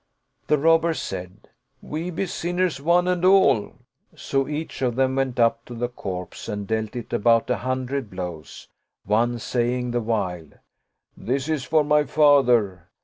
The robbers said, " We be sinners one and all "; so each of them went up to the corpse and dealt it about an hundred blows, one saying the while, " This is for my father